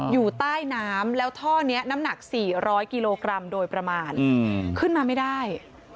อยู่ใต้น้ำแล้วท่อนี้น้ำหนัก๔๐๐กิโลกรัมโดยประมาณขึ้นมาไม่ได้